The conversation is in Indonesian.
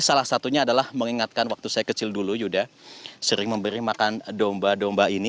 salah satunya adalah mengingatkan waktu saya kecil dulu yuda sering memberi makan domba domba ini